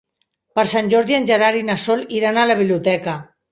Per Sant Jordi en Gerard i na Sol iran a la biblioteca.